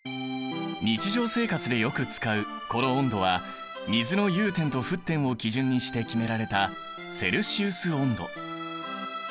日常生活でよく使うこの温度は水の融点と沸点を基準にして決められたセルシウス温度。